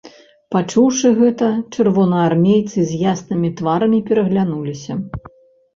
Пачуўшы гэта, чырвонаармейцы з яснымі тварамі пераглянуліся.